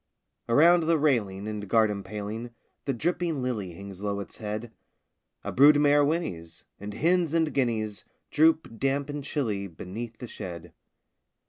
Around the railing and garden paling The dripping lily hangs low its head: A brood mare whinnies; and hens and guineas Droop, damp and chilly, beneath the shed.